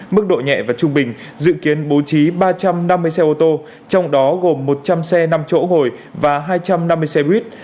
mức độ nhẹ và trung bình dự kiến bố trí ba trăm năm mươi xe ô tô trong đó gồm một trăm linh xe năm chỗ ngồi và hai trăm năm mươi xe buýt